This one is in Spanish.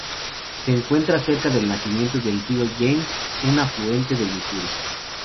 Se encuentra cerca del nacimiento del río James, un afluente del Misuri.